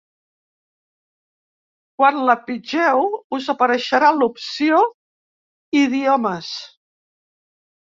Quan la pitgeu, us apareixerà l’opció “Idiomes”.